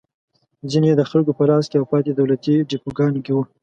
ځینې یې د خلکو په لاس کې او پاتې دولتي ډېپوګانو کې وو.